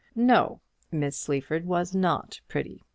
No; Miss Sleaford was not pretty.